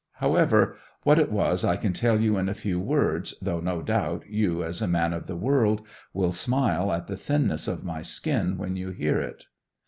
However, what it was I can tell you in a few words, though no doubt you, as a man of the world, will smile at the thinness of my skin when you hear it